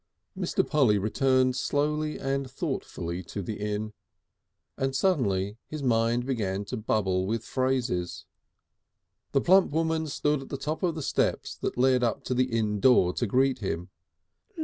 Mr. Polly returned slowly and thoughtfully to the inn, and suddenly his mind began to bubble with phrases. The plump woman stood at the top of the steps that led up to the inn door to greet him.